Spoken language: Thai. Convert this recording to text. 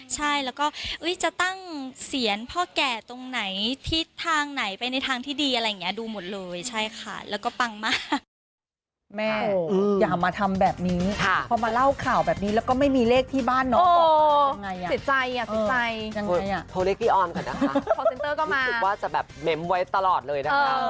ใช่แล้วก็จะตั้งเซียนพ่อแก่ตรงไหนที่ทางไหนไปในทางที่ดีอะไรอย่างนี้ดูหมดเลย